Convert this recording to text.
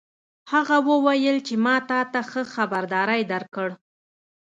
هغه وویل چې ما تا ته ښه خبرداری درکړ